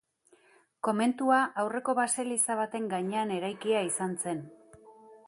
Komentua aurreko baseliza baten gainean eraikia izan zen.